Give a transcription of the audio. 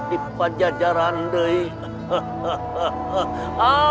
di pajajaran dia